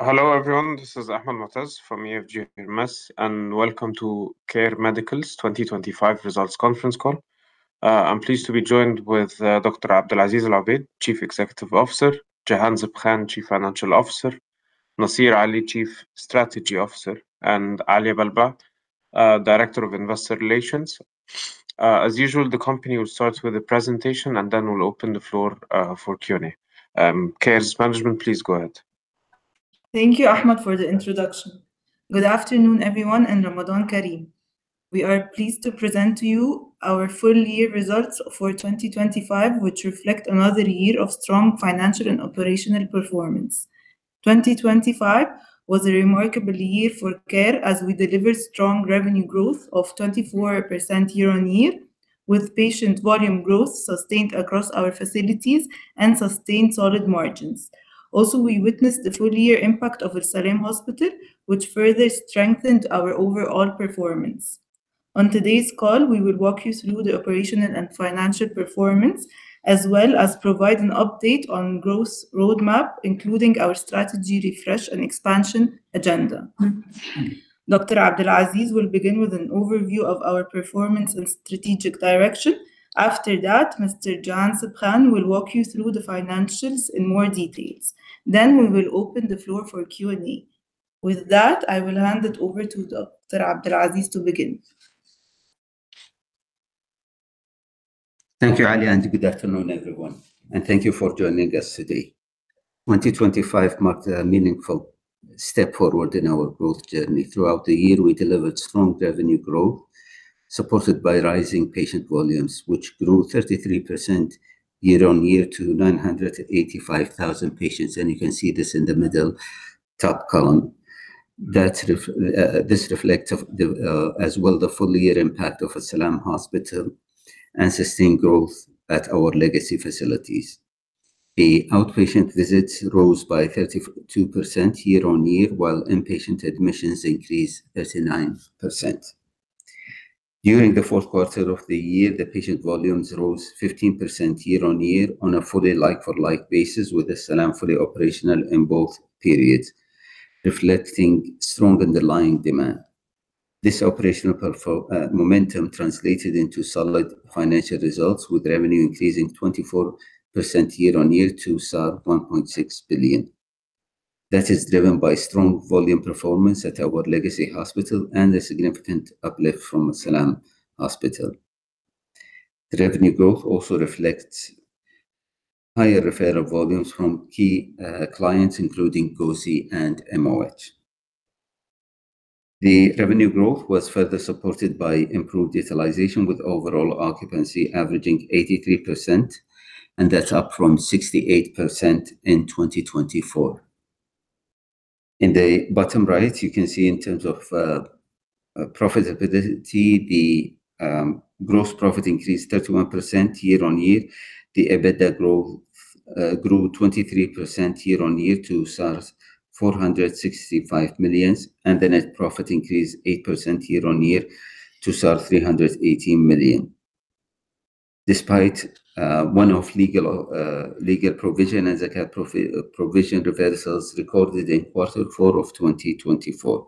Hello, everyone. This is Ahmed Moataz from EFG Hermes, welcome to Care Medical's 2025 results conference call. I'm pleased to be joined with Dr. Abdulaziz Al-Obaid, Chief Executive Officer, Jahanzeb Khan, Chief Financial Officer, Naseer Ali, Chief Strategy Officer, and Alia Balbaa, Director of Investor Relations. As usual, the company will start with a presentation, then we'll open the floor for Q&A. Care's management, please go ahead. Thank you, Ahmed, for the introduction. Good afternoon, everyone. Ramadan Kareem. We are pleased to present to you our full year results for 2025, which reflect another year of strong financial and operational performance. 2025 was a remarkable year for Care as we delivered strong revenue growth of 24% year-on-year, with patient volume growth sustained across our facilities and sustained solid margins. We witnessed the full year impact of Al Salam Hospital, which further strengthened our overall performance. On today's call, we will walk you through the operational and financial performance, as well as provide an update on growth roadmap, including our strategy refresh and expansion agenda. Dr. Abdulaziz will begin with an overview of our performance and strategic direction. After that, Mr. Jahanzeb Khan will walk you through the financials in more details. We will open the floor for Q&A. With that, I will hand it over to Dr. Abdulaziz to begin. Thank you, Alia. Good afternoon, everyone, and thank you for joining us today. 2025 marked a meaningful step forward in our growth journey. Throughout the year, we delivered strong revenue growth, supported by rising patient volumes, which grew 33% year-on-year to 985,000 patients. You can see this in the middle top column. That reflects of the as well, the full year impact of Al Salam Hospital and sustained growth at our legacy facilities. The outpatient visits rose by 32% year-on-year, while inpatient admissions increased 39%. During the fourth quarter of the year, the patient volumes rose 15% year-on-year on a fully like-for-like basis, with Al Salam fully operational in both periods, reflecting strong underlying demand. This operational perform momentum translated into solid financial results, with revenue increasing 24% year-on-year to 1.6 billion. That is driven by strong volume performance at our legacy hospital and a significant uplift from Al Salam Hospital. The revenue growth also reflects higher referral volumes from key clients, including GOSI and MOH. The revenue growth was further supported by improved utilization, with overall occupancy averaging 83%, and that's up from 68% in 2024. In the bottom right, you can see in terms of profitability, the gross profit increased 31% year-on-year. The EBITDA growth grew 23% year-on-year to 465 million, and the net profit increased 8% year-on-year to 318 million. Despite one-off legal legal provision and zakat provision reversals recorded in Q4 of 2024.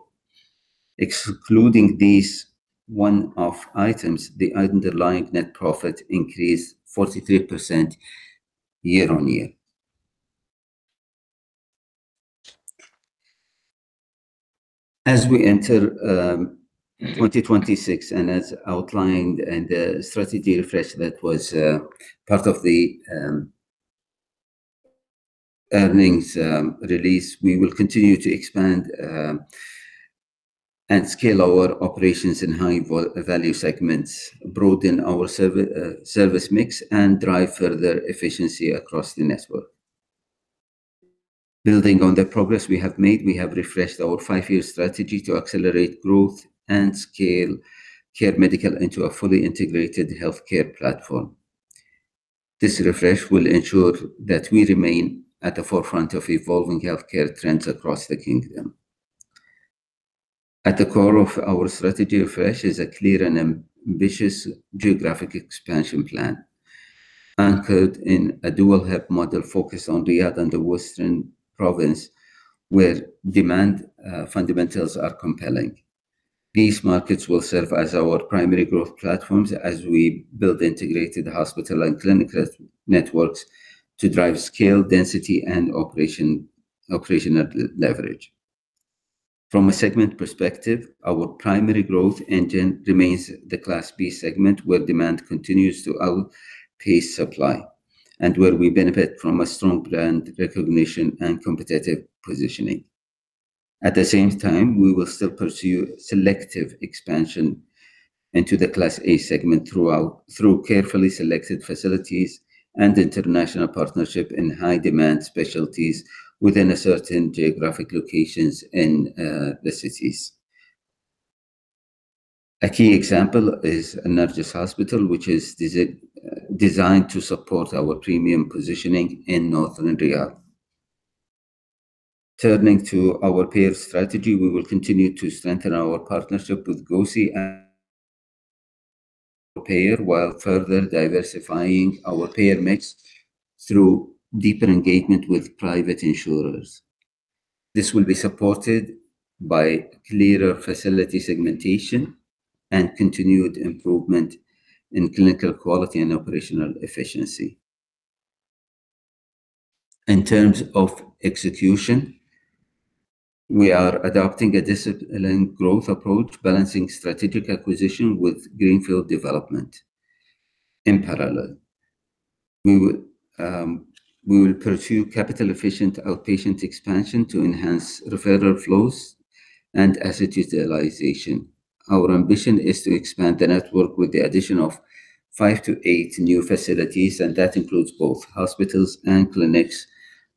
Excluding these one-off items, the underlying net profit increased 43% year-on-year. As we enter 2026, as outlined in the strategy refresh that was part of the earnings release, we will continue to expand and scale our operations in high-value segments, broaden our service mix, and drive further efficiency across the network. Building on the progress we have made, we have refreshed our five-year strategy to accelerate growth and scale Care Medical into a fully integrated healthcare platform. This refresh will ensure that we remain at the forefront of evolving healthcare trends across the Kingdom. At the core of our strategy refresh is a clear and ambitious geographic expansion plan, anchored in a dual hub model focused on Riyadh and the Western Province, where demand fundamentals are compelling. These markets will serve as our primary growth platforms as we build integrated hospital and clinic networks to drive scale, density, and operational leverage. From a segment perspective, our primary growth engine remains the Class B segment, where demand continues to outpace supply and where we benefit from a strong brand recognition and competitive positioning. At the same time, we will still pursue selective expansion into the Class A segment throughout, through carefully selected facilities and international partnership in high-demand specialties within a certain geographic locations in the cities. A key example is Najd Hospital, which is designed to support our premium positioning in northern Riyadh. Turning to our payer strategy, we will continue to strengthen our partnership with GOSI and prepare while further diversifying our payer mix through deeper engagement with private insurers. This will be supported by clearer facility segmentation and continued improvement in clinical quality and operational efficiency. In terms of execution, we are adopting a disciplined growth approach, balancing strategic acquisition with greenfield development. In parallel, we will, we will pursue capital-efficient outpatient expansion to enhance referral flows and asset utilization. Our ambition is to expand the network with the addition of 5 to 8 new facilities, and that includes both hospitals and clinics,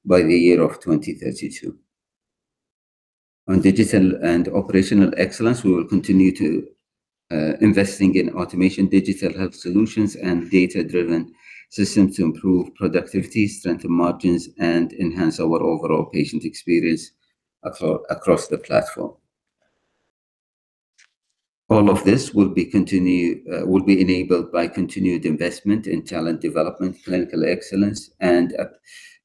by the year of 2032. On digital and operational excellence, we will continue to investing in automation, digital health solutions, and data-driven systems to improve productivity, strengthen margins, and enhance our overall patient experience across the platform. All of this will be enabled by continued investment in talent development, clinical excellence, and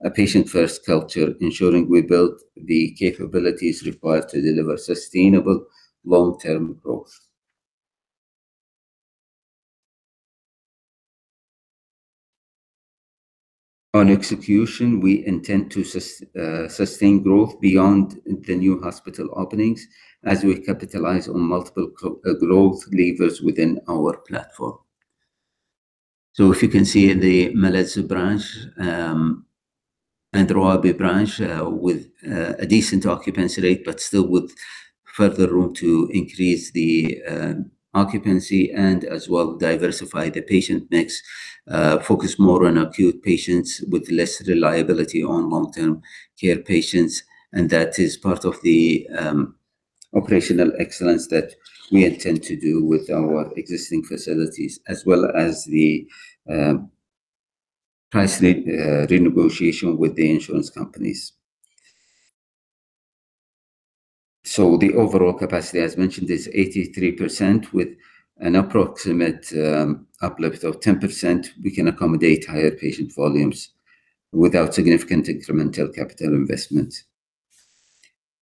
a patient-first culture, ensuring we build the capabilities required to deliver sustainable long-term growth. On execution, we intend to sustain growth beyond the new hospital openings as we capitalize on multiple growth levers within our platform. If you can see in the Al Malaz branch and Al Rawabi branch, with a decent occupancy rate, but still with further room to increase the occupancy and as well diversify the patient mix, focus more on acute patients with less reliability on long-term care patients, and that is part of the operational excellence that we intend to do with our existing facilities, as well as the price renegotiation with the insurance companies. The overall capacity, as mentioned, is 83%. With an approximate uplift of 10%, we can accommodate higher patient volumes without significant incremental capital investment.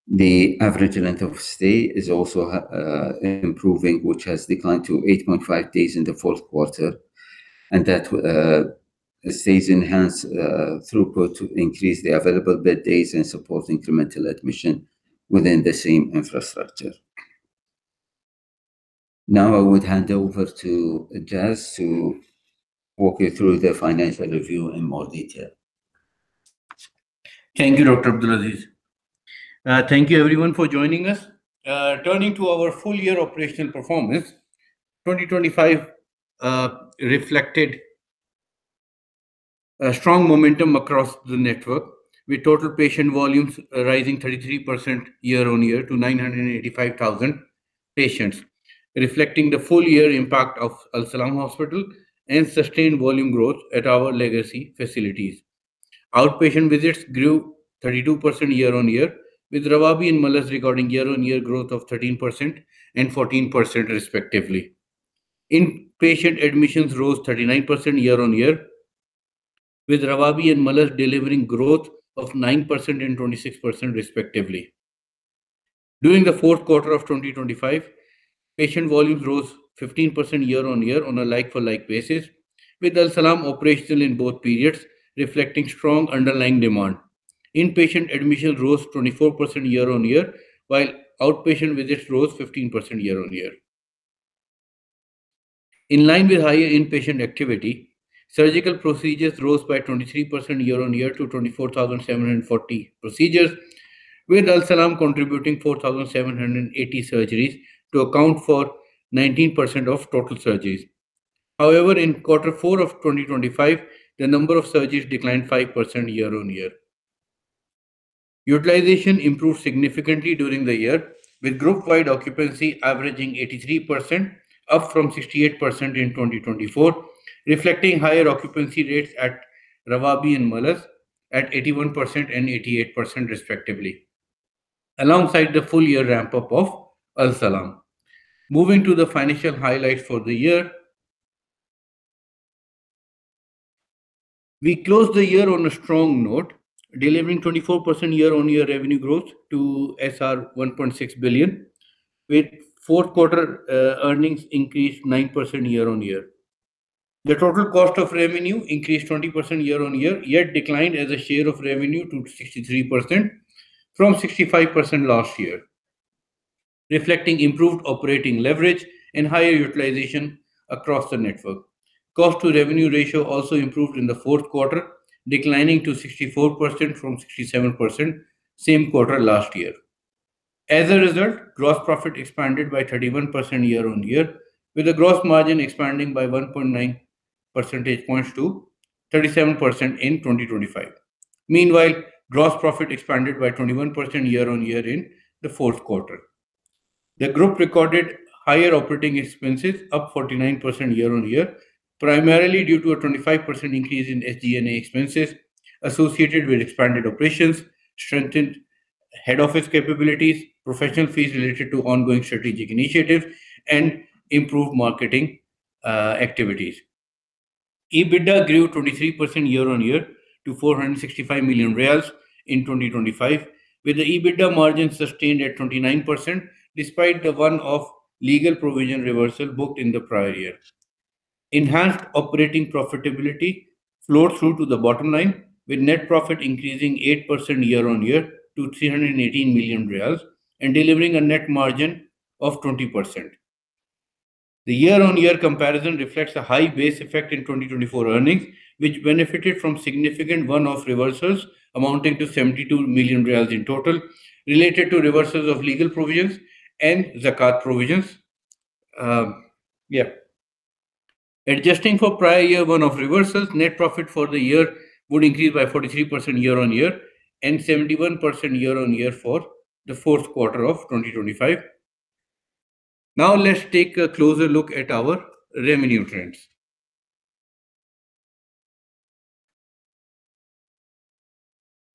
The average length of stay is also improving, which has declined to 8.5 days in the fourth quarter, and that stays enhanced throughput to increase the available bed days and support incremental admission within the same infrastructure. Now I would hand over to Jas to walk you through the financial review in more detail. Thank you, Dr. Abdulaziz. Thank you everyone for joining us. Turning to our full-year operational performance, 2025 reflected a strong momentum across the network, with total patient volumes rising 33% year-on-year to 985,000 patients, reflecting the full year impact of Al Salam Hospital and sustained volume growth at our legacy facilities. Outpatient visits grew 32% year-on-year, with Al Rawabi and Al Malaz recording year-on-year growth of 13% and 14%, respectively. Inpatient admissions rose 39% year-on-year, with Al Rawabi and Al Malaz delivering growth of 9% and 26%, respectively. During the Q4 of 2025, patient volumes rose 15% year-on-year on a like-for-like basis, with Al Salam operational in both periods, reflecting strong underlying demand. Inpatient admissions rose 24% year-on-year, while outpatient visits rose 15% year-on-year. In line with higher inpatient activity, surgical procedures rose by 23% year-on-year to 24,740 procedures, with Al Salam contributing 4,780 surgeries to account for 19% of total surgeries. However, in Q4 of 2025, the number of surgeries declined 5% year-on-year. Utilization improved significantly during the year, with group-wide occupancy averaging 83%, up from 68% in 2024, reflecting higher occupancy rates at Al Rawabi and Al Malaz, at 81% and 88%, respectively, alongside the full-year ramp-up of Al Salam. Moving to the financial highlights for the year. We closed the year on a strong note, delivering 24% year-on-year revenue growth to 1.6 billion, with Q4 earnings increased 9% year-on-year. The total cost of revenue increased 20% year-on-year, yet declined as a share of revenue to 63% from 65% last year, reflecting improved operating leverage and higher utilization across the network. Cost to revenue ratio also improved in the fourth quarter, declining to 64% from 67% same quarter last year. As a result, gross profit expanded by 31% year-on-year, with a gross margin expanding by 1.9 percentage points to 37% in 2025. Meanwhile, gross profit expanded by 21% year-on-year in the fourth quarter. The group recorded higher operating expenses, up 49% year-on-year, primarily due to a 25% increase in SG&A expenses associated with expanded operations, strengthened head office capabilities, professional fees related to ongoing strategic initiatives, and improved marketing activities. EBITDA grew 23% year-on-year to SAR 465 million in 2025, with the EBITDA margin sustained at 29% despite the one-off legal provision reversal booked in the prior year. Enhanced operating profitability flowed through to the bottom line, with net profit increasing 8% year-on-year to 318 million riyals, and delivering a net margin of 20%. The year-on-year comparison reflects a high base effect in 2024 earnings, which benefited from significant one-off reversals amounting to 72 million riyals in total, related to reversals of legal provisions and zakat provisions. Adjusting for prior year one-off reversals, net profit for the year would increase by 43% year-on-year and 71% year-on-year for the fourth quarter of 2025. Now, let's take a closer look at our revenue trends.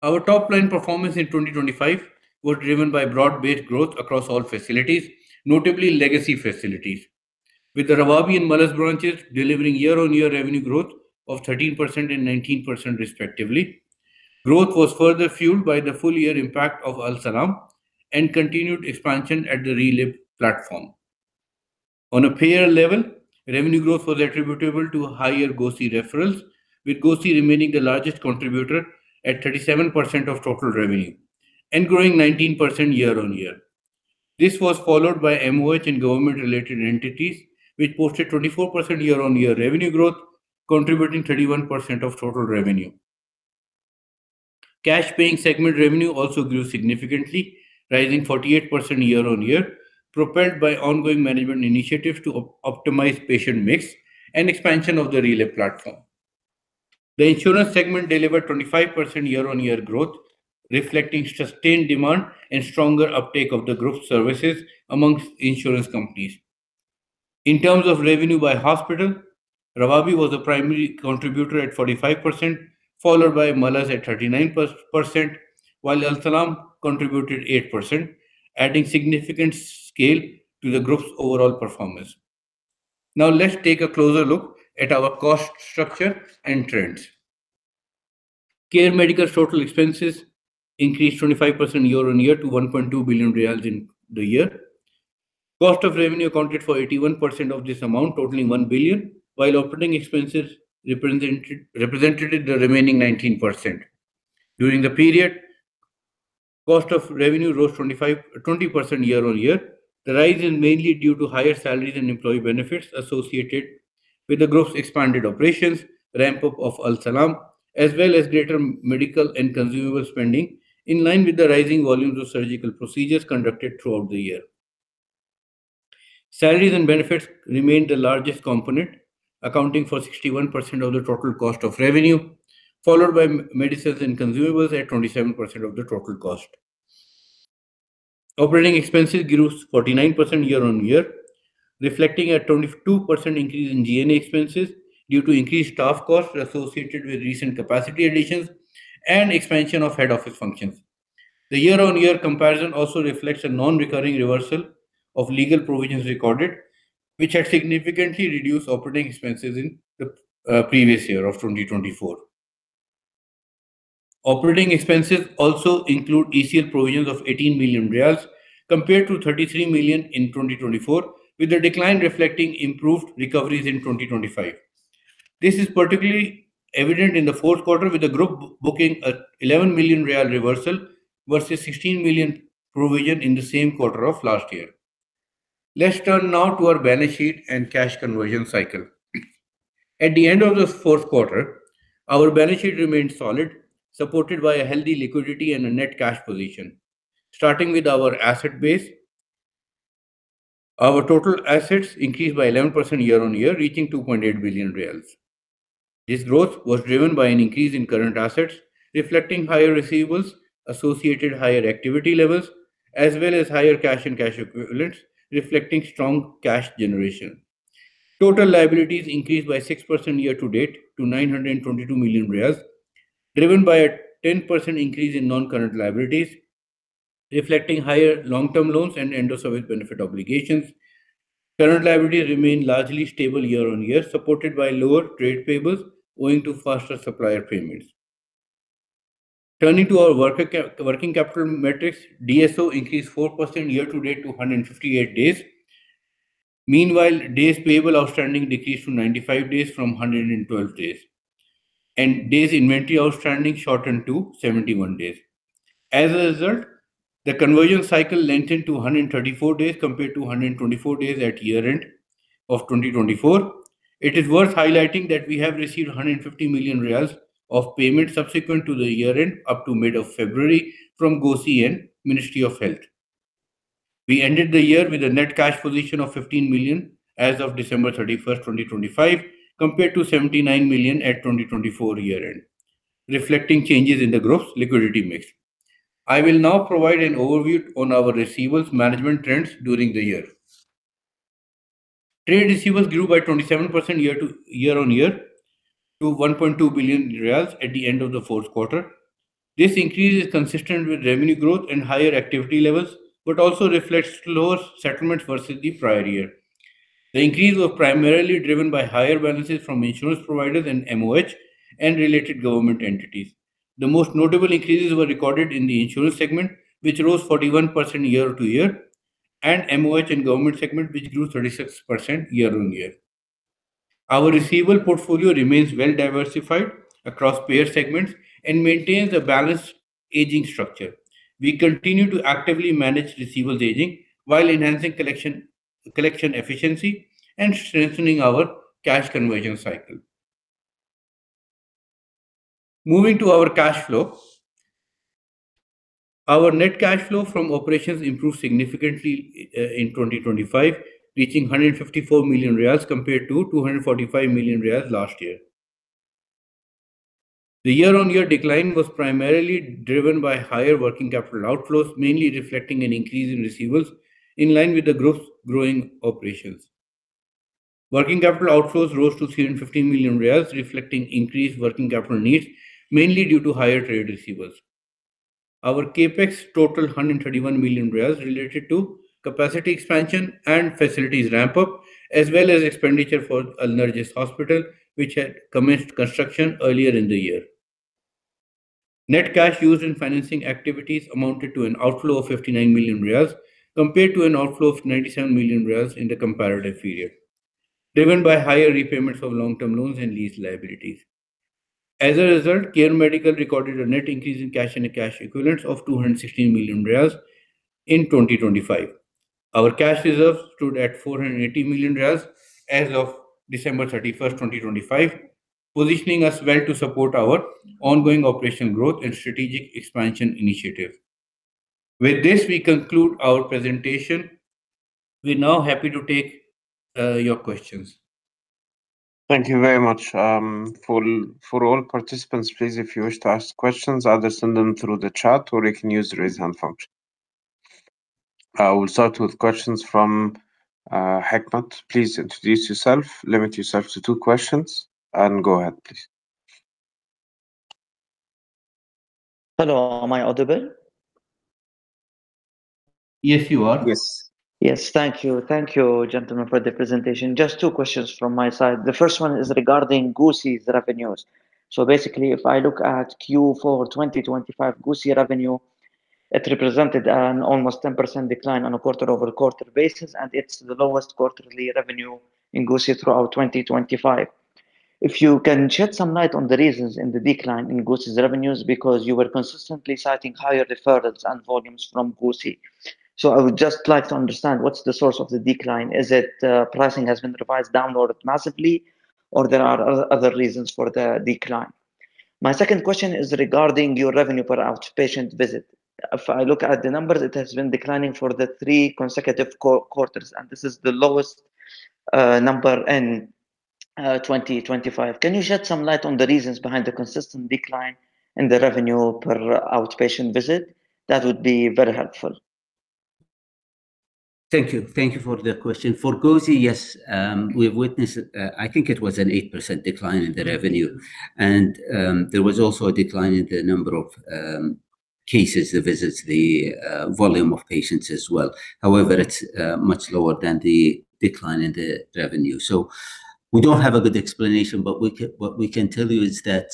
Our top line performance in 2025 were driven by broad-based growth across all facilities, notably legacy facilities, with the Al Rawabi and Al Malaz branches delivering year-on-year revenue growth of 13% and 19% respectively. Growth was further fueled by the full year impact of Al Salam and continued expansion at the ReLib platform. On a payer level, revenue growth was attributable to higher GOSI referrals, with GOSI remaining the largest contributor at 37% of total revenue and growing 19% year-on-year. This was followed by MOH and government-related entities, which posted 24% year-on-year revenue growth, contributing 31% of total revenue. Cash-paying segment revenue also grew significantly, rising 48% year-on-year, propelled by ongoing management initiatives to optimize patient mix and expansion of the Relive platform. The insurance segment delivered 25% year-on-year growth, reflecting sustained demand and stronger uptake of the group's services amongst insurance companies. In terms of revenue by hospital, Al Rawabi was the primary contributor at 45%, followed by Al Malaz at 39%, while Al Salam contributed 8%, adding significant scale to the group's overall performance. Now, let's take a closer look at our cost structure and trends. Care Medical total expenses increased 25% year-on-year to 1.2 billion riyals in the year. Cost of revenue accounted for 81% of this amount, totaling 1 billion, while operating expenses represented the remaining 19%. During the period, cost of revenue rose 20% year-on-year. The rise is mainly due to higher salaries and employee benefits associated with the group's expanded operations, ramp-up of Al Salam, as well as greater medical and consumable spending, in line with the rising volumes of surgical procedures conducted throughout the year. Salaries and benefits remained the largest component, accounting for 61% of the total cost of revenue, followed by medicines and consumables at 27% of the total cost. Operating expenses grew 49% year-on-year, reflecting a 22% increase in G&A expenses due to increased staff costs associated with recent capacity additions and expansion of head office functions. The year-on-year comparison also reflects a non-recurring reversal of legal provisions recorded, which had significantly reduced operating expenses in the previous year of 2024. Operating expenses also include ECL provisions of 18 million riyals, compared to 33 million in 2024, with the decline reflecting improved recoveries in 2025. This is particularly evident in the fourth quarter, with the group booking an SAR 11 million reversal versus 16 million provision in the same quarter of last year. Let's turn now to our balance sheet and cash conversion cycle. At the end of the fourth quarter, our balance sheet remained solid, supported by a healthy liquidity and a net cash position. Starting with our asset base, our total assets increased by 11% year-on-year, reaching 2.8 billion riyals. This growth was driven by an increase in current assets, reflecting higher receivables, associated higher activity levels, as well as higher cash and cash equivalents, reflecting strong cash generation. Total liabilities increased by 6% year-to-date to 922 million riyals, driven by a 10% increase in non-current liabilities, reflecting higher long-term loans and end of service benefit obligations. Current liabilities remain largely stable year-on-year, supported by lower trade payables owing to faster supplier payments. Turning to our working capital metrics, DSO increased 4% year-to-date to 158 days. Meanwhile, days payable outstanding decreased to 95 days from 112 days, and days inventory outstanding shortened to 71 days. As a result, the conversion cycle lengthened to 134 days compared to 124 days at year-end of 2024. It is worth highlighting that we have received 150 million riyals of payments subsequent to the year-end, up to mid of February, from GOSI and Ministry of Health. We ended the year with a net cash position of 15 million as of December 31st, 2025, compared to 79 million at 2024 year-end, reflecting changes in the group's liquidity mix. I will now provide an overview on our receivables management trends during the year. Trade receivables grew by 27% year on year, to 1.2 billion riyals at the end of the fourth quarter. This increase is consistent with revenue growth and higher activity levels, but also reflects slower settlements versus the prior year. The increase was primarily driven by higher balances from insurance providers and MOH, and related government entities. The most notable increases were recorded in the insurance segment, which rose 41% year to year, and MOH and government segment, which grew 36% year on year. Our receivable portfolio remains well diversified across payer segments and maintains a balanced aging structure. We continue to actively manage receivables aging, while enhancing collection, collection efficiency and strengthening our cash conversion cycle. Moving to our cash flow. Our net cash flow from operations improved significantly in 2025, reaching 154 million riyals compared to 245 million riyals last year. The year-on-year decline was primarily driven by higher working capital outflows, mainly reflecting an increase in receivables, in line with the group's growing operations. Working capital outflows rose to 315 million riyals, reflecting increased working capital needs, mainly due to higher trade receivables. Our CapEx totaled SAR 131 million related to capacity expansion and facilities ramp-up, as well as expenditure for Al Narjis Hospital, which had commenced construction earlier in the year. Net cash used in financing activities amounted to an outflow of 59 million riyals, compared to an outflow of 97 million riyals in the comparative period, driven by higher repayments of long-term loans and lease liabilities. As a result, Care Medical recorded a net increase in cash and cash equivalents of 216 million riyals in 2025. Our cash reserves stood at 480 million riyals as of December 31st, 2025, positioning us well to support our ongoing operation growth and strategic expansion initiative. With this, we conclude our presentation. We're now happy to take your questions. Thank you very much. For all participants, please, if you wish to ask questions, either send them through the chat or you can use the raise hand function. I will start with questions from, Hekmat. Please introduce yourself, limit yourself to two questions, and go ahead, please. Hello, am I audible? Yes, you are. Yes. Yes. Thank you. Thank you, gentlemen, for the presentation. Just two questions from my side. The first one is regarding GOSI revenues. Basically, if I look at Q4 2025, GOSI revenue, it represented an almost 10% decline on a quarter-over-quarter basis, and it's the lowest quarterly revenue in GOSI throughout 2025. If you can shed some light on the reasons in the decline in GOSI's revenues, because you were consistently citing higher deferrals and volumes from GOSI. I would just like to understand, what's the source of the decline? Is it, pricing has been revised downward massively, or there are other, other reasons for the decline? My second question is regarding your revenue per outpatient visit. If I look at the numbers, it has been declining for the 3 consecutive quarters, and this is the lowest number in 2025. Can you shed some light on the reasons behind the consistent decline in the revenue per outpatient visit? That would be very helpful. Thank you. Thank you for the question. For GOSI, yes, we have witnessed, I think it was an 8% decline in the revenue, there was also a decline in the number of cases, the visits, the volume of patients as well. However, it's much lower than the decline in the revenue. We don't have a good explanation, but what we can tell you is that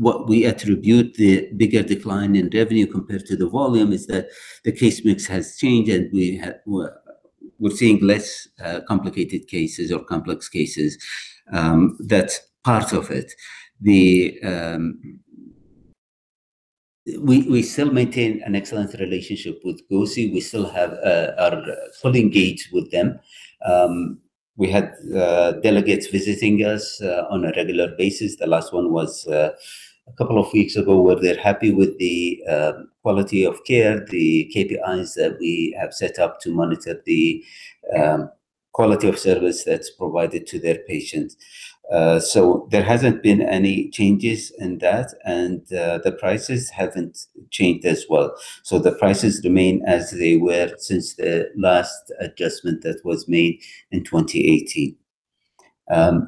what we attribute the bigger decline in revenue compared to the volume is that the case mix has changed and we have, we're seeing less complicated cases or complex cases. That's part of it. We still maintain an excellent relationship with GOSI. We still have, are fully engaged with them. We had delegates visiting us on a regular basis. The last one was a couple of weeks ago, where they're happy with the quality of care, the KPIs that we have set up to monitor the quality of service that's provided to their patients. There hasn't been any changes in that, the prices haven't changed as well. The prices remain as they were since the last adjustment that was made in 2018.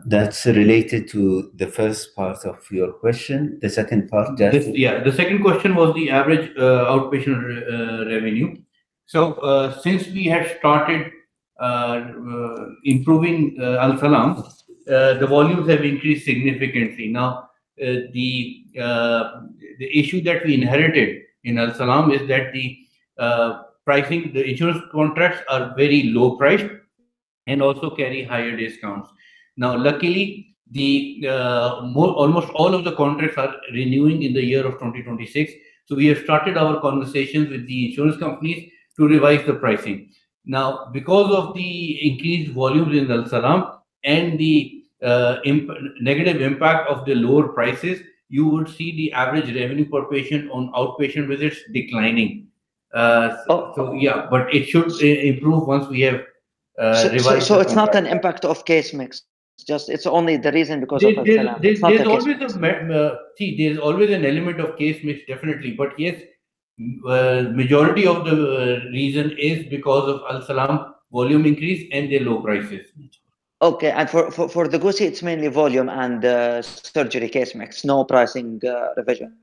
That's related to the first part of your question. The second part, Jahanzeb? Yeah, the second question was the average outpatient revenue. Since we have started improving Al Salam, the volumes have increased significantly. The issue that we inherited in Al Salam is that the pricing, the insurance contracts are very low priced and also carry higher discounts. Luckily, almost all of the contracts are renewing in the year of 2026, so we have started our conversations with the insurance companies to revise the pricing. Because of the increased volumes in Al Salam and the negative impact of the lower prices, you will see the average revenue per patient on outpatient visits declining. Yeah, but it should improve once we have revised- So it's not an impact of case mix? Just, it's only the reason because of Al Salam- There, there's always an element of case mix, definitely. If, well, majority of the reason is because of Al Salam volume increase and the low prices. Okay, for the GOSI, it's mainly volume and surgery case mix, no pricing, revision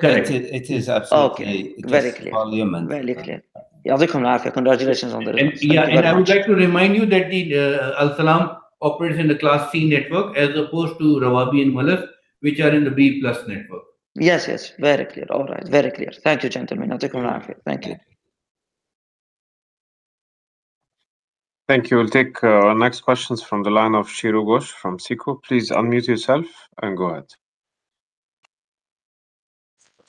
correct? It is, it is absolutely- Okay. Very clear. Just volume and-. Very clear. Yeah, congratulations on the results. Yeah, I would like to remind you that the Al Salam operates in the Class C network, as opposed to Al Rawabi and Al Malaz, which are in the B+ network. Yes, yes. Very clear. All right, very clear. Thank you, gentlemen. Thank you. Thank you. We'll take our next questions from the line of Chiradeep Ghosh from SICO. Please unmute yourself, and go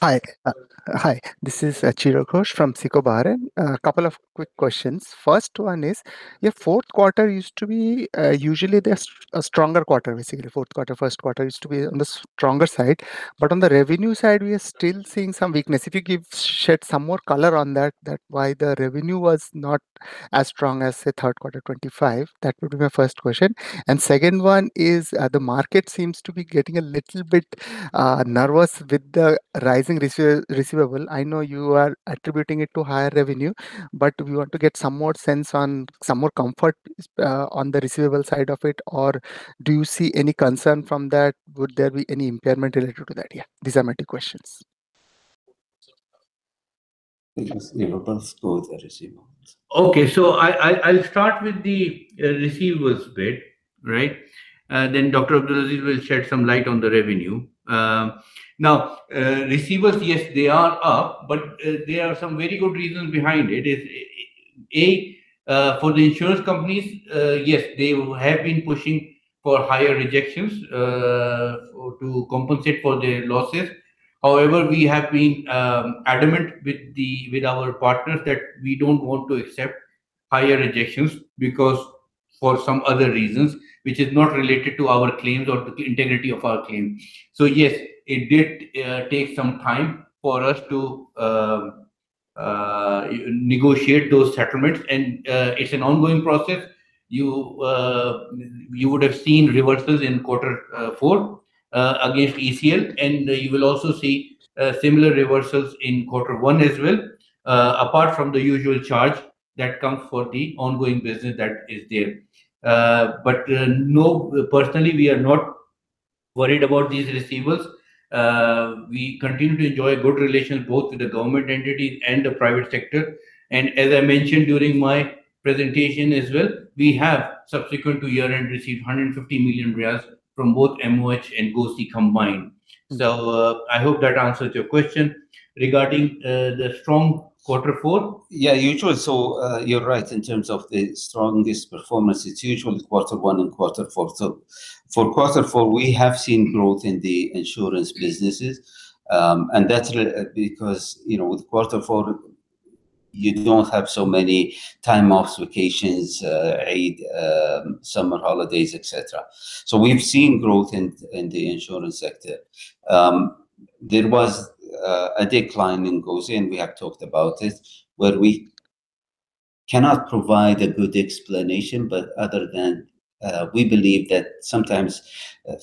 ahead. Hi. Hi, this is Chiradeep Ghosh from SICO Bahrain. A couple of quick questions. First one is, your fourth quarter used to be usually the a stronger quarter, basically. Fourth quarter, first quarter used to be on the stronger side. On the revenue side, we are still seeing some weakness. If you give, shed some more color on that, that why the revenue was not as strong as, say, third quarter 2025? That would be my first question. Second one is, the market seems to be getting a little bit nervous with the rising receivable. I know you are attributing it to higher revenue, but we want to get some more sense on, some more comfort, on the receivable side of it, or do you see any concern from that? Would there be any impairment related to that? Yeah, these are my 2 questions. Revenues or the receivables? Okay, so I, I, I'll start with the receivables bit, right? Dr. Abdulaziz will shed some light on the revenue. Now, receivables, yes, they are up, but there are some very good reasons behind it. Is, A, for the insurance companies, yes, they have been pushing for higher rejections, for, to compensate for the losses. However, we have been adamant with the, with our partners that we don't want to accept higher rejections because for some other reasons, which is not related to our claims or the integrity of our claims. Yes, it did take some time for us to negotiate those settlements, and it's an ongoing process. You would have seen reversals in quarter four against ECL. You will also see similar reversals in quarter one as well, apart from the usual charge that comes for the ongoing business that is there. No, personally, we are not worried about these receivables. We continue to enjoy good relations both with the government entities and the private sector. As I mentioned during my presentation as well, we have, subsequent to year-end, received 150 million riyals from both MOH and GOSI combined. I hope that answers your question. Regarding the strong quarter four. Yeah, usually, you're right in terms of the strongest performance, it's usually quarter one and quarter four. For quarter four, we have seen growth in the insurance businesses, and that's because, you know, with quarter four, you don't have so many time offs, vacations, Eid, summer holidays, et cetera. We've seen growth in, in the insurance sector. There was a decline in GOSI, and we have talked about it, where we cannot provide a good explanation, but other than, we believe that sometimes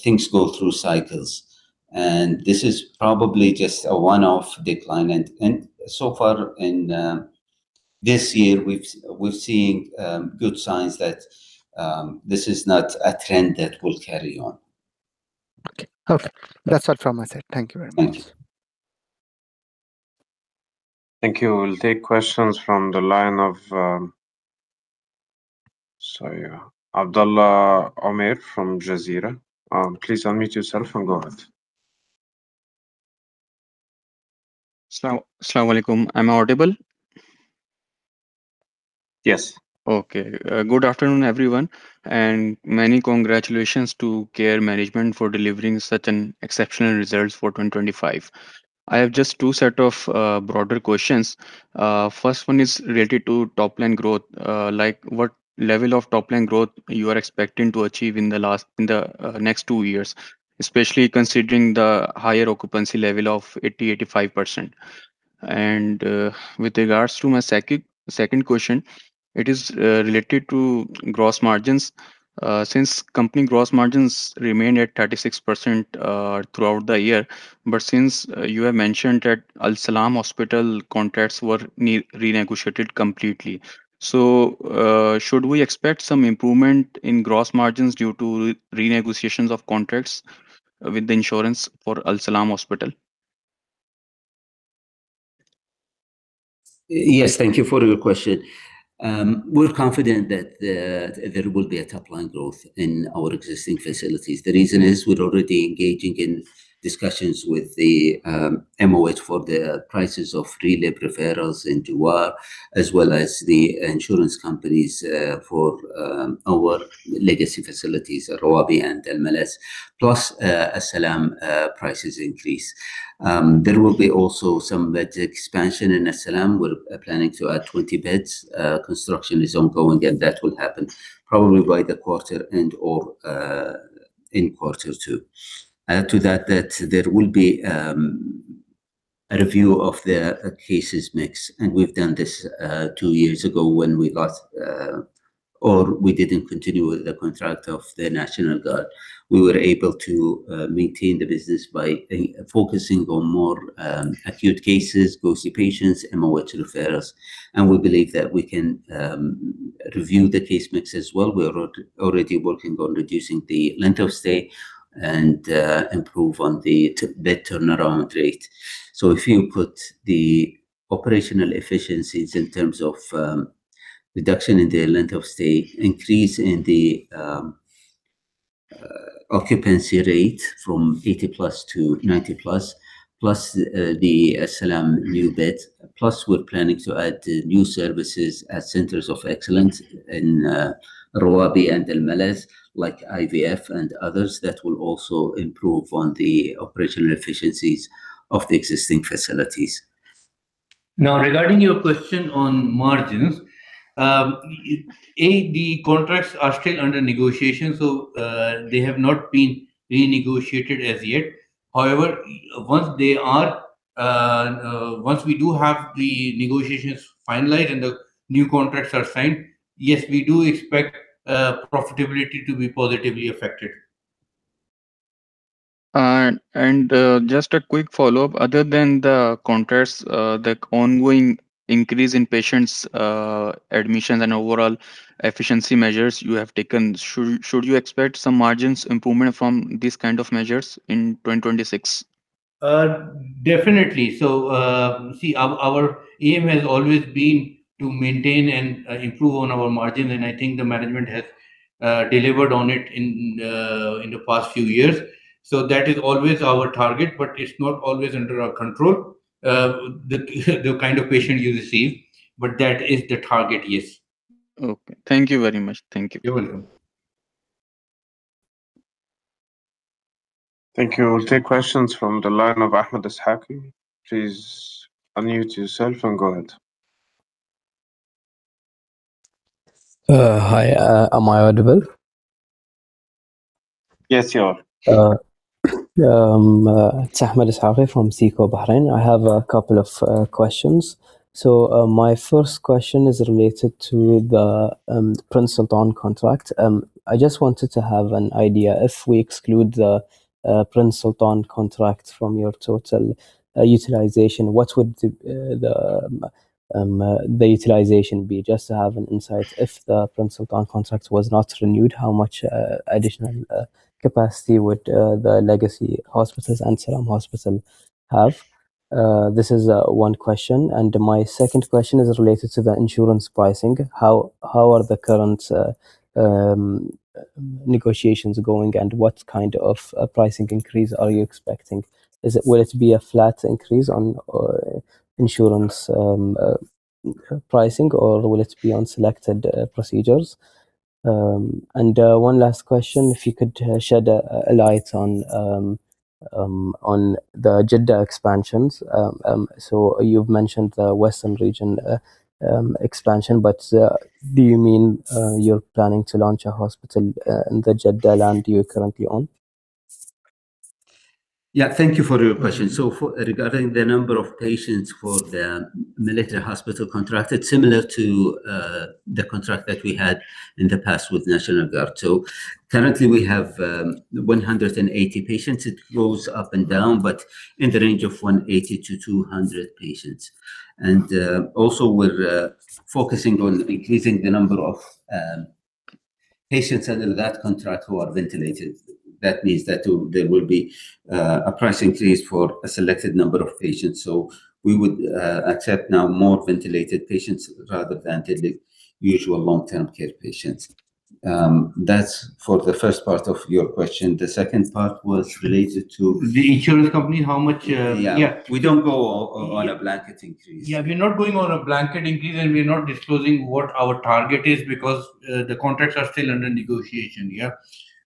things go through cycles, and this is probably just a one-off decline. And so far in this year, we've, we're seeing good signs that this is not a trend that will carry on. Okay. Okay, that's all from my side. Thank you very much. Thanks. Thank you. We'll take questions from the line of, sorry, Abdullah Omar from Jazeera. Please unmute yourself and go ahead. Salaam Alaikum. Am I audible? Yes. Okay. Good afternoon, everyone, and many congratulations to Care management for delivering such an exceptional results for 2025. I have just two set of broader questions. First one is related to top line growth. Like, what level of top line growth you are expecting to achieve in the last, in the next two years, especially considering the higher occupancy level of 80%-85%? With regards to my second, second question, it is related to gross margins. Since company gross margins remained at 36%, throughout the year, but since you have mentioned that Al Salam Hospital contracts were renegotiated completely, so, should we expect some improvement in gross margins due to renegotiations of contracts with the insurance for Al Salam Hospital? Yes, thank you for your question. We're confident that there will be a top-line growth in our existing facilities. The reason is, we're already engaging in discussions with the MOH for the prices of three lab referrals in Jowar, as well as the insurance companies, for our legacy facilities, Al Rawabi and Al Malaz, plus Al Salam, prices increase. There will be also some bed expansion in Al Salam. We're planning to add 20 beds. Construction is ongoing, and that will happen probably by the quarter end or in quarter two. Add to that, that there will be a review of the cases mix, and we've done this two years ago when we got or we didn't continue with the contract of the National Guard. We were able to maintain the business by focusing on more acute cases, GOSI patients, MOH referrals. We believe that we can review the case mix as well. We are already working on reducing the length of stay and improve on the bed turnaround rate. If you put the operational efficiencies in terms of reduction in the length of stay, increase in the occupancy rate from 80+ to 90+, plus the Al Salam new bed, plus we're planning to add new services at centers of excellence in Al Rawabi and Al Malaz, like IVF and others, that will also improve on the operational efficiencies of the existing facilities. Regarding your question on margins, the contracts are still under negotiation, so, they have not been renegotiated as yet. Once they are, once we do have the negotiations finalized and the new contracts are signed, yes, we do expect profitability to be positively affected. Just a quick follow-up. Other than the contracts, the ongoing increase in patients', admissions and overall efficiency measures you have taken, should you expect some margins improvement from these kind of measures in 2026? Definitely. See, our, our aim has always been to maintain and improve on our margin, and I think the management has delivered on it in the, in the past few years. That is always our target, but it's not always under our control, the, the kind of patient you receive, but that is the target, yes. Okay. Thank you very much. Thank you. You're welcome. Thank you. We'll take questions from the line of Ahmed Es'haqi. Please unmute yourself and go ahead. Hi, am I audible? Yes, you are. It's Ahmed Es'haqi from SICO Bahrain. I have a couple of questions. My first question is related to the Prince Sultan contract. I just wanted to have an idea, if we exclude the Prince Sultan contract from your total utilization, what would the utilization be? Just to have an insight, if the Prince Sultan contract was not renewed, how much additional capacity would the legacy hospices and Al Salam Hospital have? This is one question. My second question is related to the insurance pricing. How, how are the current negotiations going, and what kind of pricing increase are you expecting? Will it be a flat increase on insurance pricing, or will it be on selected procedures? One last question, if you could shed a light on on the Jeddah expansions. You've mentioned the western region expansion, but do you mean you're planning to launch a hospital in the Jeddah land you're currently on? Yeah. Thank you for your question. Regarding the number of patients for the military hospital contract, it's similar to the contract that we had in the past with National Guard. Currently we have 180 patients. It goes up and down, but in the range of 180-200 patients. Also we're focusing on increasing the number of patients under that contract who are ventilated. That means that there will be a price increase for a selected number of patients, we would accept now more ventilated patients rather than the, the usual long-term care patients. That's for the first part of your question. The second part was related to- The insurance company, how much? Yeah. Yeah. We don't go on a blanket increase. Yeah, we're not going on a blanket increase, and we're not disclosing what our target is because the contracts are still under negotiation. Yeah.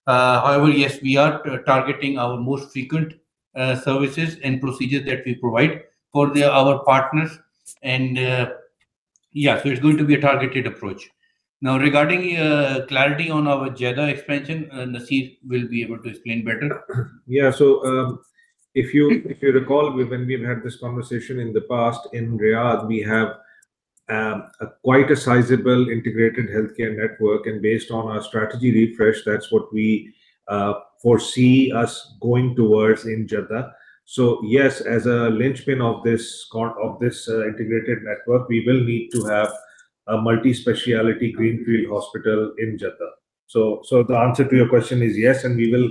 However, yes, we are targeting our most frequent services and procedures that we provide for our partners. It's going to be a targeted approach. Now, regarding clarity on our Jeddah expansion, Naseer will be able to explain better. Yeah. If you, if you recall, we, when we've had this conversation in the past, in Riyadh, we have quite a sizable integrated healthcare network, and based on our strategy refresh, that's what we foresee us going towards in Jeddah. Yes, as a linchpin of this of this integrated network, we will need to have a multi-specialty greenfield hospital in Jeddah. So the answer to your question is yes, and we will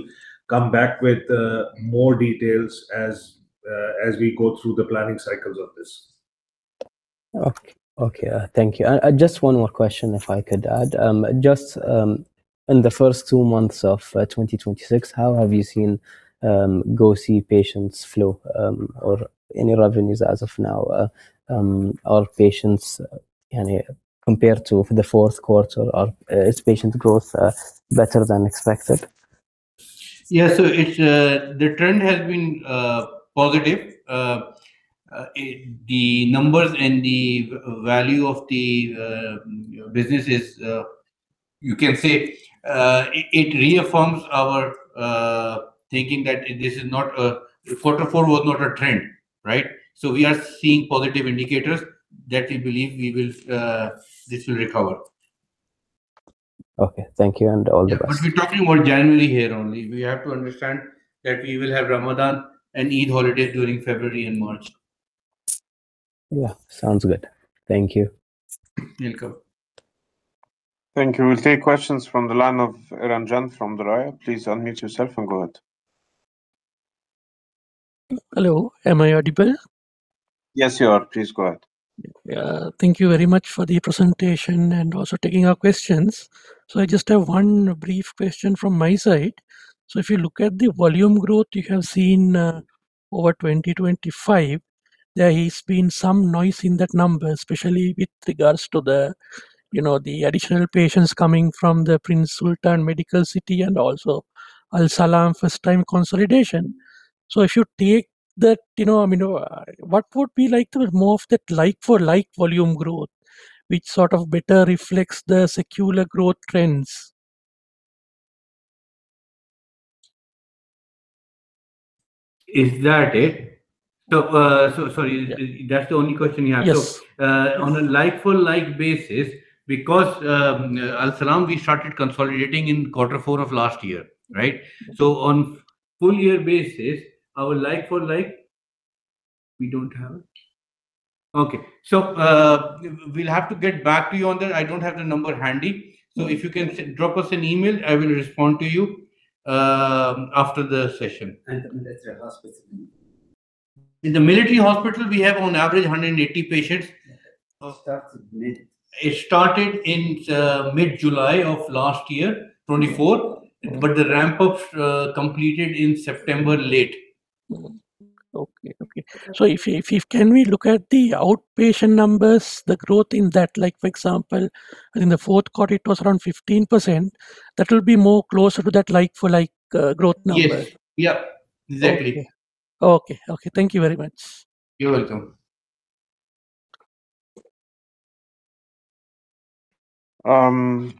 come back with more details as we go through the planning cycles of this. Okay. Okay, thank you. Just one more question, if I could add. Just in the first two months of 2026, how have you seen GOSI patients flow or any revenues as of now or patients, any, compared to the fourth quarter? Is patient growth better than expected? Yeah. it's the trend has been positive. it, the numbers and the value of the business is, you can say, it, it reaffirms our thinking that this is not quarter four was not a trend. Right? we are seeing positive indicators that we believe we will this will recover. Okay, thank you, and all the best. Yeah, we're talking more generally here only. We have to understand that we will have Ramadan and Eid holidays during February and March. Yeah, sounds good. Thank you. Welcome. Thank you. We'll take questions from the line of Ranjan from the Riyad. Please unmute yourself and go ahead. Hello, am I audible? Yes, you are. Please go ahead. Thank you very much for the presentation and also taking our questions. I just have one brief question from my side. If you look at the volume growth you have seen, over 2025, there has been some noise in that number, especially with regards to the, you know, the additional patients coming from the Prince Sultan Medical City and also Al Salam first-time consolidation. If you take that, you know, I mean, what would be like to remove more of that, like-for-like volume growth, which sort of better reflects the secular growth trends? Is that it? Sorry, that's the only question you have? Yes. On a like-for-like basis, because Al Salam, we started consolidating in quarter four of last year, right? On full year basis, our like-for-like, we don't have it? Okay. We'll have to get back to you on that. I don't have the number handy. Mm-hmm. If you can drop us an email, I will respond to you after the session. The military hospital? In the military hospital, we have on average 180 patients. It started mid- It started in mid-July of last year, 2024, but the ramp-up completed in September late. Mm-hmm. Okay, okay. If, can we look at the outpatient numbers, the growth in that? Like, for example, in the fourth quarter, it was around 15%. That will be more closer to that like-for-like growth number. Yes. Yeah, exactly. Okay. Okay, thank you very much. You're welcome.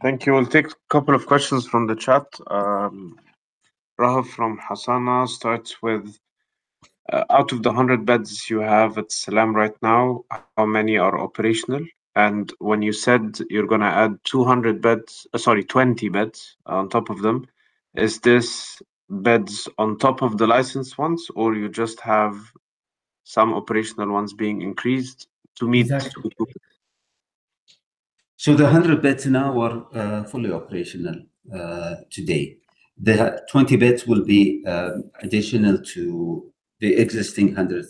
Thank you. We'll take a couple of questions from the chat. Rahul from Hassana starts with, "Out of the 100 beds you have at Salam right now, how many are operational? When you said you're going to add 200 beds, sorry, 20 beds on top of them, is this beds on top of the licensed ones, or you just have some operational ones being increased to meet the- The 100 beds now are fully operational today. The 20 beds will be additional to the existing 100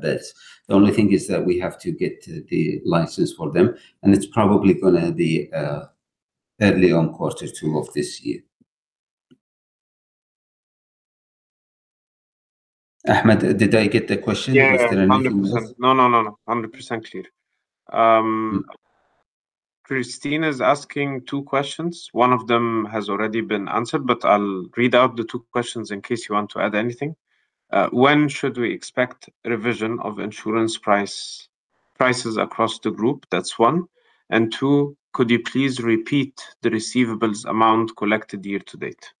beds. The only thing is that we have to get the license for them, and it's probably going to be early on quarter two of this year. Ahmed, did I get the question? Yeah, yeah. Was there anything else? 100%. No, no, no, no, 100% clear. Christine is asking two questions. One of them has already been answered, but I'll read out the two questions in case you want to add anything. When should we expect revision of insurance price, prices across the group? That's one. Two, could you please repeat the receivables amount collected year-to-date?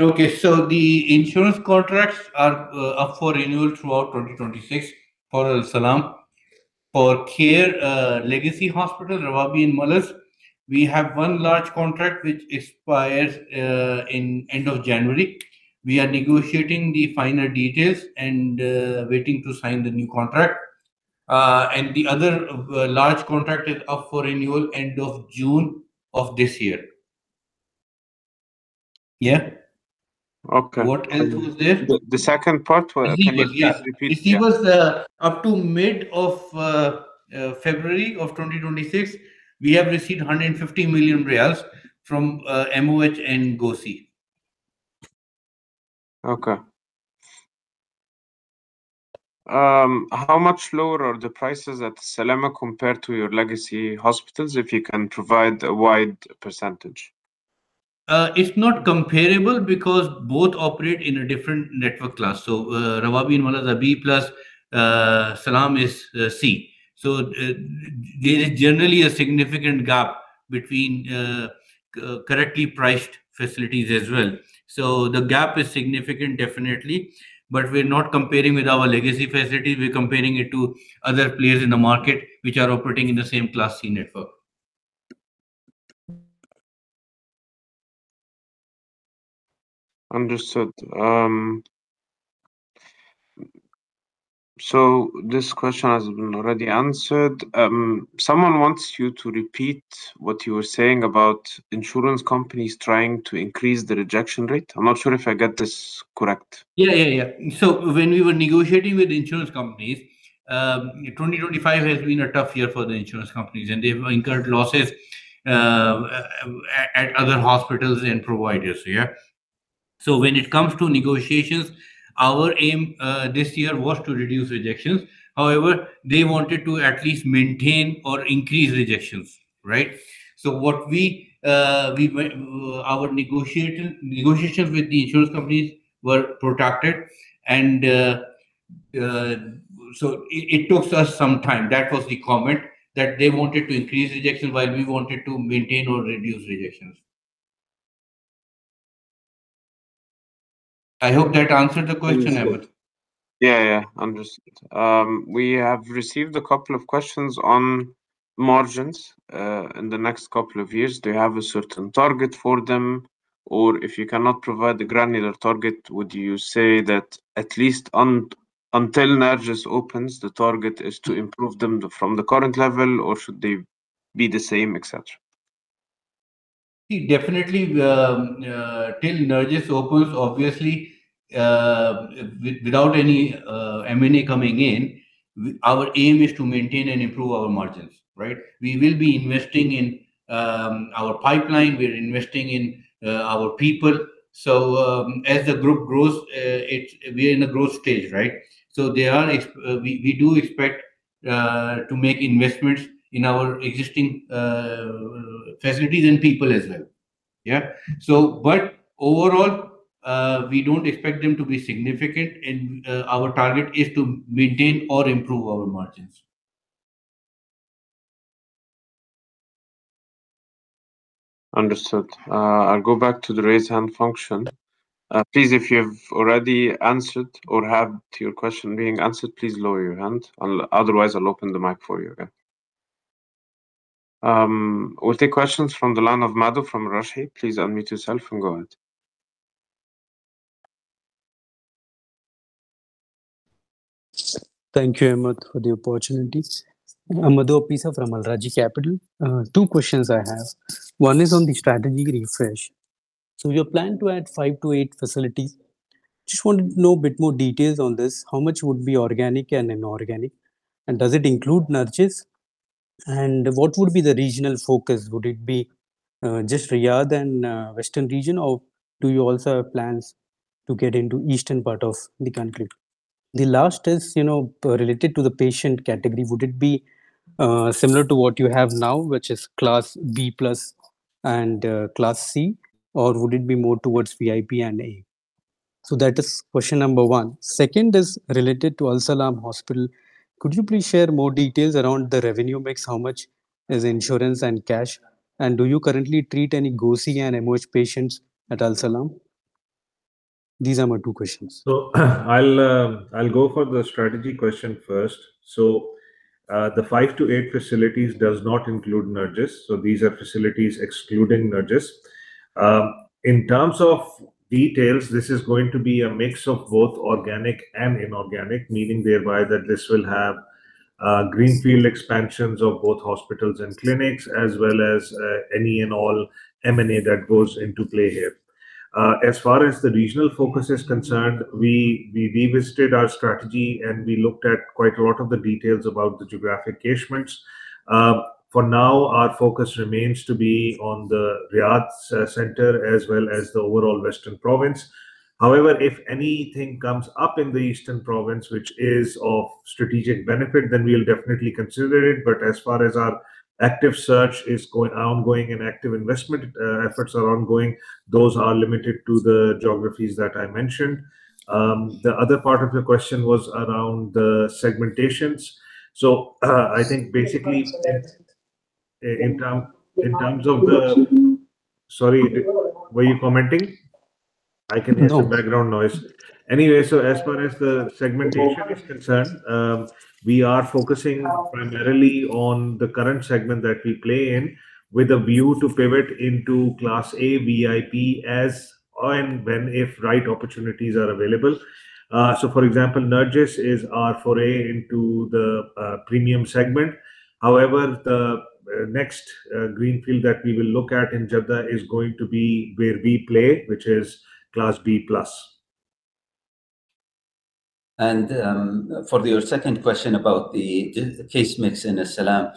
Okay. The insurance contracts are up for renewal throughout 2026 for Al Salam. For Care, legacy hospital, Al Rawabi and Al Malaz, we have one large contract which expires in end of January. We are negotiating the final details and waiting to sign the new contract. The other large contract is up for renewal end of June of this year. Yeah? Okay. What else was there? The second part, can you just repeat? Receivables. Yeah. Receivables, up to mid of February of 2026, we have received SAR 150 million from MOH and GOSI. Okay. How much lower are the prices at Al Salam compared to your legacy hospitals, if you can provide a wide percentage? It's not comparable because both operate in a different network class. Al Rawabi and Al Malaz are B plus, Al Salam is Class C. There is generally a significant gap between correctly priced facilities as well. The gap is significant, definitely, but we're not comparing with our legacy facilities. We're comparing it to other players in the market, which are operating in the same Class C network. Understood. This question has been already answered. Someone wants you to repeat what you were saying about insurance companies trying to increase the rejection rate. I'm not sure if I got this correct. Yeah, yeah, yeah. When we were negotiating with insurance companies, 2025 has been a tough year for the insurance companies, and they've incurred losses at, at other hospitals and providers, yeah? When it comes to negotiations, our aim this year was to reduce rejections. However, they wanted to at least maintain or increase rejections, right? What we, we went, our negotiating, negotiations with the insurance companies were protracted, it, it took us some time. That was the comment, that they wanted to increase rejections while we wanted to maintain or reduce rejections. I hope that answered the question, Ahmed. Yeah, yeah, understood. We have received a couple of questions on margins. In the next couple of years, do you have a certain target for them? Or if you cannot provide the granular target, would you say that at least until Al Narjis opens, the target is to improve them from the current level, or should they be the same, et cetera? Definitely, till Al Narjis opens, obviously, without any M&A coming in, our aim is to maintain and improve our margins, right? We will be investing in our pipeline, we are investing in our people. As the group grows, we are in a growth stage, right? There are we, we do expect to make investments in our existing facilities and people as well. Yeah. Overall, we don't expect them to be significant, and, our target is to maintain or improve our margins. Understood. I'll go back to the raise hand function. Please, if you've already answered or had your question being answered, please lower your hand. Otherwise, I'll open the mic for you, okay? We'll take questions from the line of Madhu from Al Rajhi. Please unmute yourself and go ahead. Thank you, Ahmed, for the opportunity. I'm Madhu Appissa from Al Rajhi Capital. Two questions I have. One is on the strategy refresh. Your plan to add 5-8 facilities, just wanted to know a bit more details on this. How much would be organic and inorganic, and does it include Al Narjis? What would be the regional focus? Would it be just Riyadh and western region, or do you also have plans to get into eastern part of the country? The last is, you know, related to the patient category. Would it be similar to what you have now, which is Class B+ and Class C, or would it be more towards VIP and A? That is question number one. Second is related to Al Salam Hospital. Could you please share more details around the revenue mix? How much is insurance and cash, and do you currently treat any GOSI and MOH patients at Al Salam? These are my two questions. I'll go for the strategy question first. The 5-8 facilities does not include Al Narjis, so these are facilities excluding Al Narjis. In terms of details, this is going to be a mix of both organic and inorganic, meaning thereby that this will have greenfield expansions of both hospitals and clinics, as well as any and all M&A that goes into play here. As far as the regional focus is concerned, we revisited our strategy, and we looked at quite a lot of the details about the geographic catchments. For now, our focus remains to be on the Riyadh center, as well as the overall Western Province. However, if anything comes up in the Eastern Province, which is of strategic benefit, then we'll definitely consider it. As far as our active search is going, ongoing, and active investment efforts are ongoing, those are limited to the geographies that I mentioned. The other part of your question was around the segmentations. I think basically, in terms of the... Sorry, were you commenting? I can hear- No. -some background noise. Anyway, as far as the segmentation is concerned, we are focusing primarily on the current segment that we play in, with a view to pivot into Class A, VIP, as and when, if right opportunities are available. For example, Al Narjis is our foray into the premium segment. However, the next greenfield that we will look at in Jeddah is going to be where we play, which is Class B+. For your second question about the case mix in Al Salam,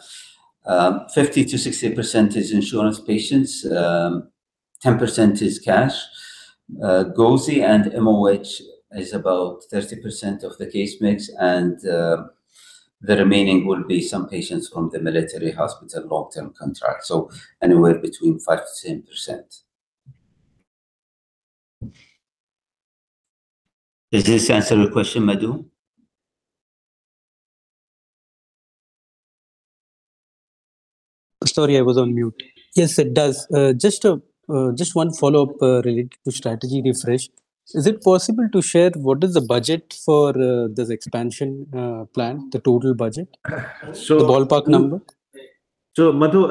50%-60% is insurance patients, 10% is cash. GOSI and MOH is about 30% of the case mix, and the remaining will be some patients from the military hospital long-term contract, so anywhere between 5%-10%. Does this answer your question, Madhu? Sorry, I was on mute. Yes, it does. Just one follow-up related to strategy refresh. Is it possible to share what is the budget for this expansion plan, the total budget? The ballpark number. Madhu,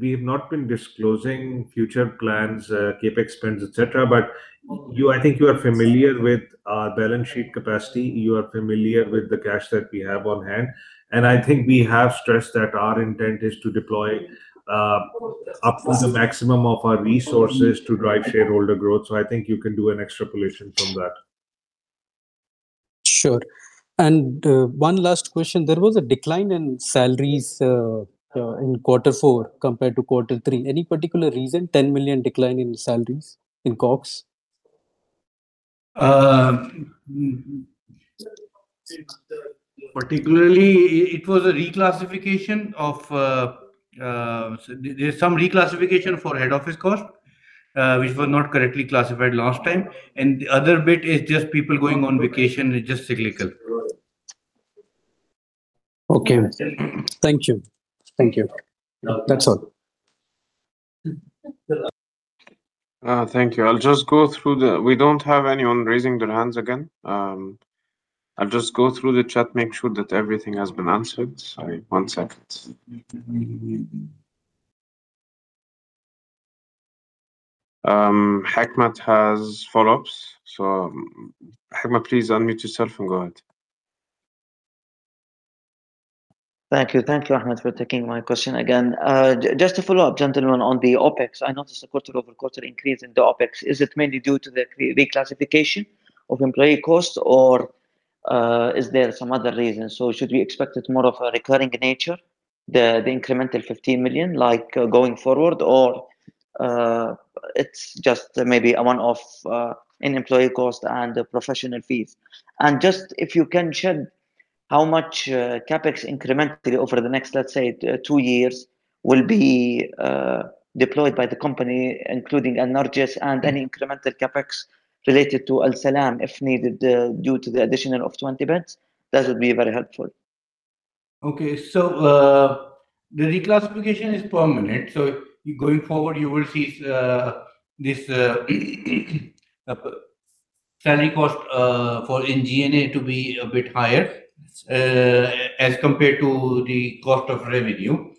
we have not been disclosing future plans, CapEx spends, et cetera, but I think you are familiar with our balance sheet capacity, you are familiar with the cash that we have on hand, and I think we have stressed that our intent is to deploy up to the maximum of our resources to drive shareholder growth. I think you can do an extrapolation from that. Sure. One last question: There was a decline in salaries in quarter four compared to quarter three. Any particular reason, 10 million decline in salaries, in COGS? Particularly, it was a reclassification of head office cost which was not correctly classified last time. The other bit is just people going on vacation. It's just cyclical. Okay. Thank you. Thank you. That's all. Thank you. I'll just go through the. We don't have anyone raising their hands again. I'll just go through the chat, make sure that everything has been answered. Sorry, one second. Hekmat has follow-ups. Hekmat, please unmute yourself and go ahead. Thank you. Thank you, Ahmed, for taking my question again. j-just to follow up, gentlemen, on the OpEx, I noticed a quarter-over-quarter increase in the OpEx. Is it mainly due to the reclassification of employee costs, or is there some other reason? Should we expect it more of a recurring nature, the, the incremental 15 million, like, going forward, or it's just maybe a one-off in employee cost and professional fees? Just if you can shed how much CapEx incrementally over the next, let's say, two years, will be deployed by the company, including at Al Narjis and any incremental CapEx related to Al Salam, if needed, due to the additional of 20 beds, that would be very helpful. The reclassification is permanent, going forward, you will see this selling cost for SG&A to be a bit higher as compared to the cost of revenue.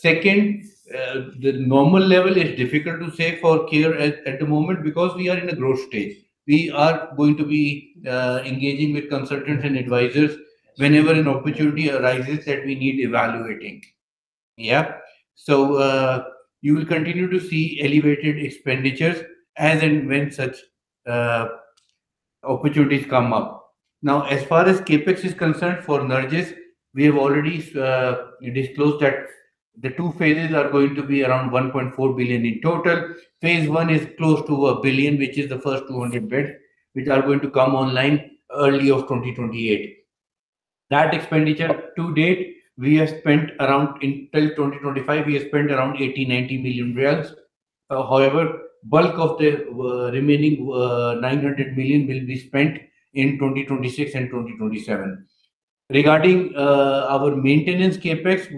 Second, the normal level is difficult to say for clear at the moment because we are in a growth stage. We are going to be engaging with consultants and advisors whenever an opportunity arises that we need evaluating. You will continue to see elevated expenditures as and when such opportunities come up. Now, as far as CapEx is concerned, for Al Narjis, we have already disclosed that the two phases are going to be around $1.4 billion in total. Phase one is close to $1 billion, which is the first 200 beds, which are going to come online early of 2028. That expenditure to date, we have spent around, until 2025, we have spent around 80 million-90 million riyals. However, bulk of the remaining 900 million will be spent in 2026 and 2027. Regarding our maintenance CapEx,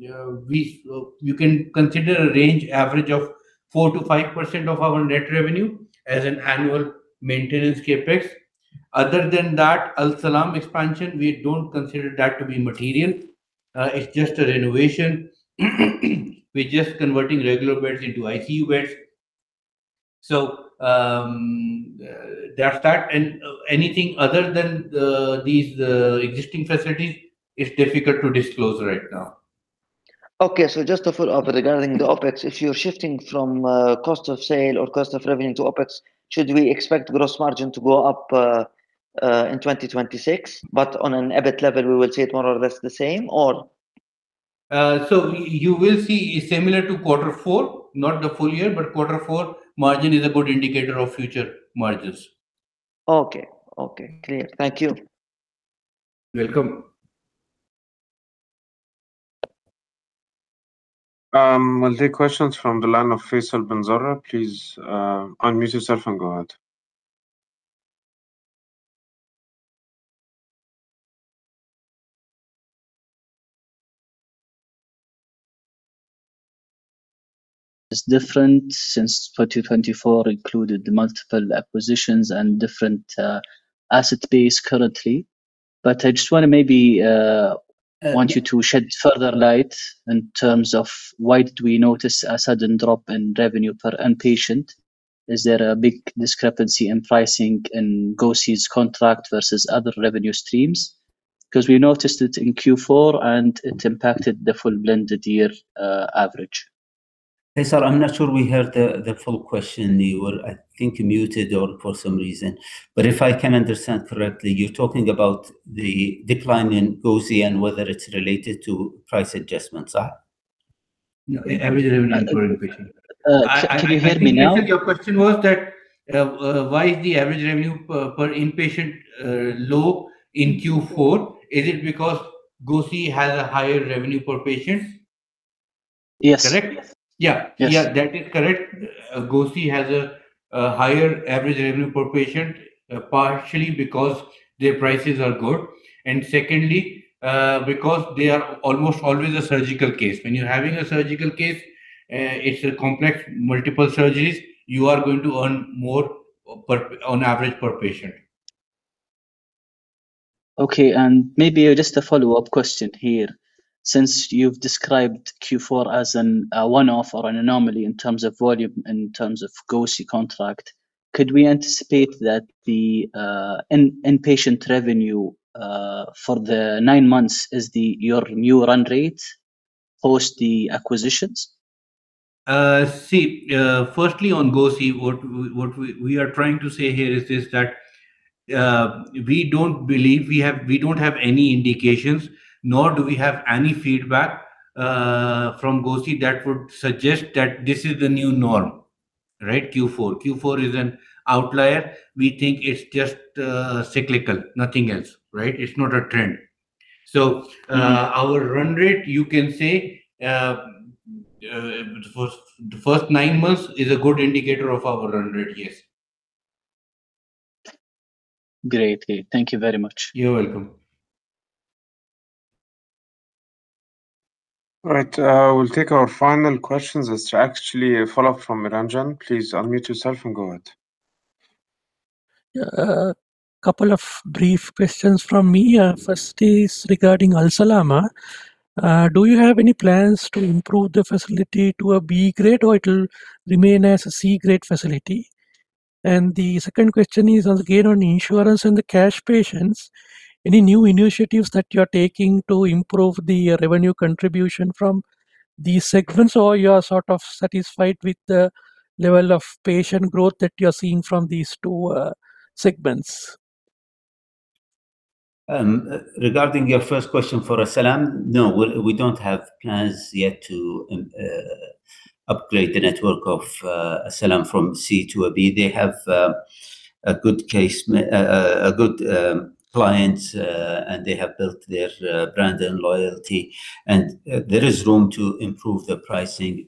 you can consider a range average of 4%-5% of our net revenue as an annual maintenance CapEx. Other than that, Al Salam expansion, we don't consider that to be material. It's just a renovation. We're just converting regular beds into ICU beds. There are that, and anything other than these existing facilities is difficult to disclose right now. Just a follow-up regarding the OpEx. If you're shifting from cost of sale or cost of revenue to OpEx, should we expect gross margin to go up in 2026, but on an EBIT level, we will see it more or less the same, or? You will see similar to quarter four, not the full year, but quarter four margin is a good indicator of future margins. Okay. Okay, clear. Thank you. Welcome. We'll take questions from the line of Faisal Bin Zarah. Please, unmute yourself and go ahead. It's different since 2024 included multiple acquisitions and different asset base currently. I just want to maybe want you to shed further light in terms of why did we notice a sudden drop in revenue per inpatient? Is there a big discrepancy in pricing in GOSI's contract versus other revenue streams? 'Cause we noticed it in Q4, and it impacted the full blended year average. Faisal, I'm not sure we heard the full question. You were, I think, muted or for some reason. If I can understand correctly, you're talking about the decline in GOSI and whether it's related to price adjustments? No, average revenue per inpatient. Can you hear me now? I think your question was that, why is the average revenue per, per inpatient, low in Q4? Is it because GOSI has a higher revenue per patient? Yes. Correct? Yeah. Yes. Yeah, that is correct. GOSI has a higher average revenue per patient, partially because their prices are good, and secondly, because they are almost always a surgical case. When you're having a surgical case, it's a complex, multiple surgeries, you are going to earn more per, on average, per patient. Okay, maybe just a follow-up question here. Since you've described Q4 as a one-off or an anomaly in terms of volume, in terms of GOSI contract, could we anticipate that the inpatient revenue for the nine months is the, your new run rate post the acquisitions? See, firstly, on GOSI, what we are trying to say here is this, that we don't believe we have-- we don't have any indications, nor do we have any feedback from GOSI that would suggest that this is the new norm, right? Q4. Q4 is an outlier. We think it's just cyclical, nothing else, right? It's not a trend. Mm-hmm. So our run rate, you can say, the first, the first nine months is a good indicator of our run rate, yes. Great, hey, thank you very much. You're welcome. All right, we'll take our final questions. It's actually a follow-up from Ranjan. Please unmute yourself and go ahead. Yeah, couple of brief questions from me. First is regarding Al Salam. Do you have any plans to improve the facility to a B grade, or it'll remain as a C grade facility? The second question is, again, on insurance and the cash patients, any new initiatives that you're taking to improve the revenue contribution from these segments, or you are sort of satisfied with the level of patient growth that you're seeing from these two segments? Regarding your first question for Al Salam, no, we, we don't have plans yet to upgrade the network of Al Salam from Class C to a Class B. They have a good case, a good clients, and they have built their brand and loyalty, and there is room to improve the pricing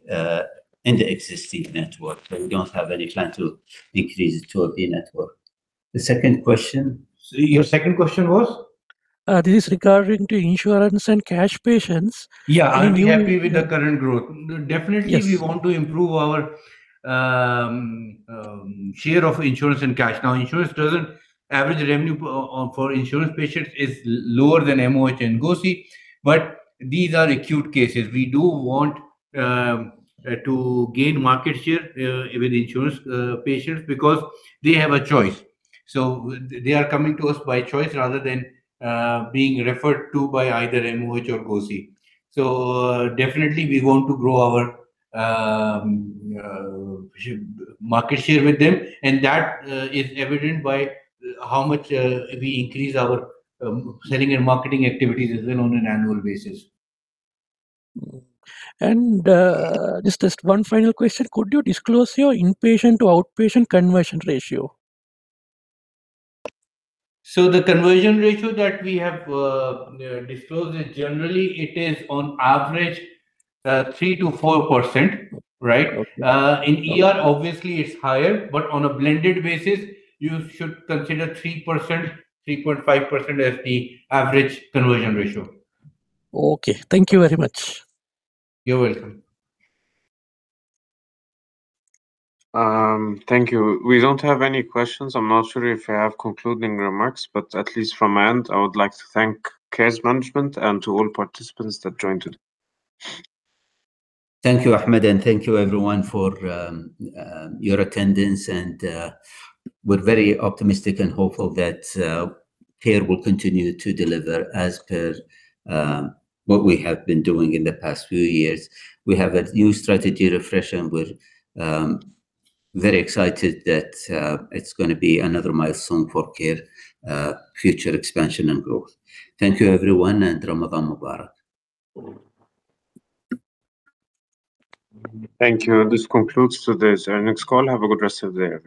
in the existing network. We don't have any plan to increase it to a Class B network. The second question, your second question was? This is regarding to insurance and cash patients. Yeah, are we happy with the current growth? Yes. Definitely, we want to improve our share of insurance and cash. Now, insurance average revenue for insurance patients is lower than MOH and GOSI, but these are acute cases. We do want to gain market share with insurance patients because they have a choice. They are coming to us by choice rather than being referred to by either MOH or GOSI. Definitely we want to grow our share, market share with them, and that is evident by how much we increase our selling and marketing activities as well on an annual basis. Just one final question. Could you disclose your inpatient to outpatient conversion ratio? The conversion ratio that we have disclosed, generally, it is on average, 3%-4%, right? Okay. In ER, obviously, it's higher, but on a blended basis, you should consider 3%, 3.5% as the average conversion ratio. Okay. Thank you very much. You're welcome. Thank you. We don't have any questions. I'm not sure if I have concluding remarks, but at least from my end, I would like to thank Care's management and to all participants that joined today. Thank you, Ahmed, and thank you, everyone, for your attendance. We're very optimistic and hopeful that Care will continue to deliver as per what we have been doing in the past few years. We have a new strategy refresh. We're very excited that it's gonna be another milestone for Care future expansion and growth. Thank you, everyone. Ramadan Mubarak. Thank you. This concludes today's earnings call. Have a good rest of the day, everyone.